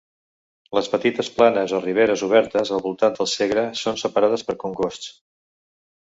Les petites planes o riberes obertes al voltant del Segre són separades per congosts.